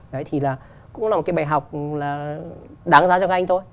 đấy thì là cũng là một cái bài học là đáng giá cho các anh thôi